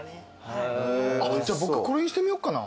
じゃあ僕これにしてみようかな。